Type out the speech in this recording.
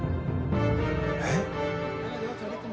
えっ？